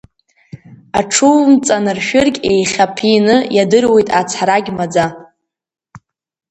Аҽумҵанаршәыргь еихьаԥины, иадыруеит ацҳарагь маӡа.